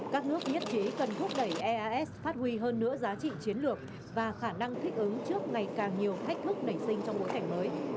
các nước nhất trí cần thúc đẩy eas phát huy hơn nữa giá trị chiến lược và khả năng thích ứng trước ngày càng nhiều thách thức nảy sinh trong bối cảnh mới